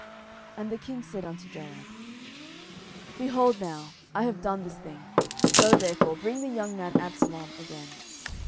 10:014:021 And the king said unto Joab, Behold now, I have done this thing: go therefore, bring the young man Absalom again.